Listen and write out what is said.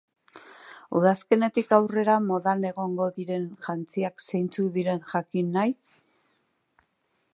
Udazkenetik aurrera modan egongo diren jantziak zeintzuk diren jakin nahi?